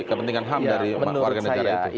kepentingan ham dari warga negara itu